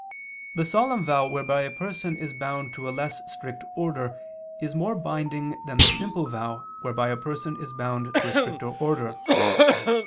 3: The solemn vow whereby a person is bound to a less strict order, is more binding than the simple vow whereby a person is bound to a stricter order.